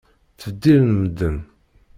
Ttbeddilen medden.